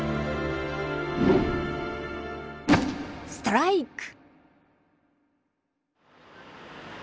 ストライク！